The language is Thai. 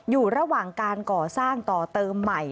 อยู่ระหว่างการก่อสร้างต่อเติมใหม่